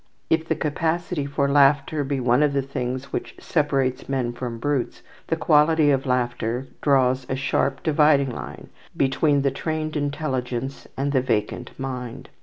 If the capacity for laughter be one of the things which separates men from brutes, the quality of laughter draws a sharp dividing line between the trained intelligence and the vacant mind.